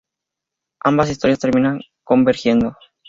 Ambas historias terminan convergiendo.